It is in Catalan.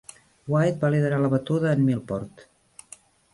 Wight va liderar la batuda en Millport.